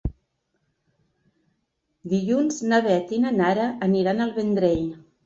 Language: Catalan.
Dilluns na Beth i na Nara aniran al Vendrell.